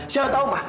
siapa tau ma